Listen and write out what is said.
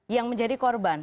yang menjadi korban